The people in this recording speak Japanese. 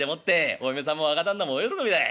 お嫁さんも若旦那も大喜びだい。